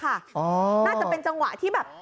น่าจะเป็นจังหวะที่แบบ